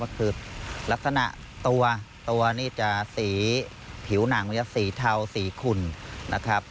ก็คือลักษณะตัวตัวนี่จะสีผิวหนังมันจะสีเทาสีขุ่นนะครับ